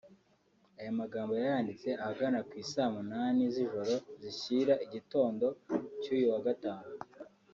Aya magambo yayanditse ahagana ku isaa munani z'ijoro zishyira igitondo cy'uyu wa Gatanu